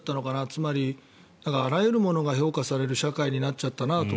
つまり、あらゆるものが評価される社会になっちゃったなと。